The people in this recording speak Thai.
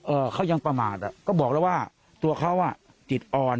เขายังประมาทอ่ะก็บอกแล้วว่าตัวเขาอ่ะจิตอ่อน